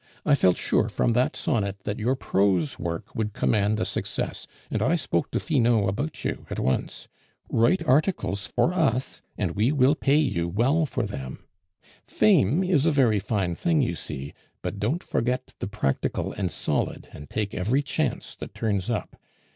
I felt sure from that sonnet that your prose work would command a success, and I spoke to Finot about you at once. Write articles for us, and we will pay you well for them. Fame is a very fine thing, you see, but don't forget the practical and solid, and take every chance that turns up.